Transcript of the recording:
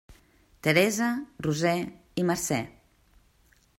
Teresa, Roser i Mercè.